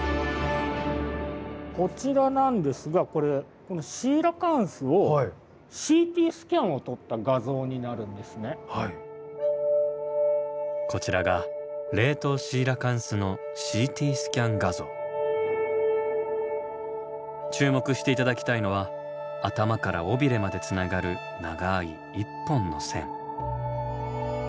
こちらなんですがこれこちらが冷凍注目して頂きたいのは頭から尾びれまでつながる長い一本の線。